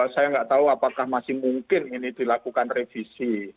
saya nggak tahu apakah masih mungkin ini dilakukan revisi